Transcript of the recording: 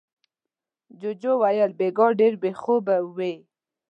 جوجو وويل: بېګا ډېر بې خوبه وې.